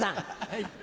はい。